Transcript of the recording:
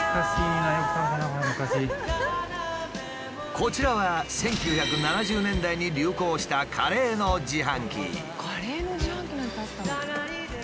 こちらは１９７０年代に流行したカレーの自販機なんてあったの？